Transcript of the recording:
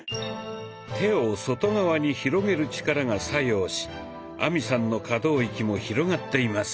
手を外側に広げる力が作用し亜美さんの可動域も広がっています。